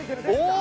お！